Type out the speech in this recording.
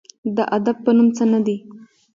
د ادب په نوم څه نه دي